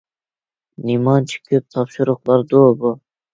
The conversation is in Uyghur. نېمانچە كۆپ تاپشۇرۇقلاردۇ بۇ؟